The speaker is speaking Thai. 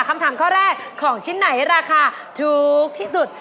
คำถามข้อแรกของชิ้นไหนราคาถูกที่สุด